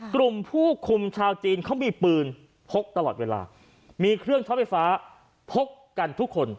กลุ่มผู้คุมชาวจีนเขามีปืนพกตลอดเวลามีเครื่องช็อตไฟฟ้าพกกันทุกคน